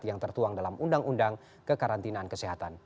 yang tertuang dalam undang undang kekarantinaan kesehatan